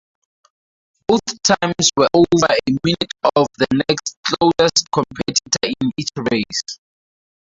Both times were over a minute off the next closest competitor in each race.